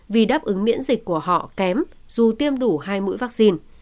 vì đáp ứng miễn dịch của họ kém dù tiêm đủ hai mũi vaccine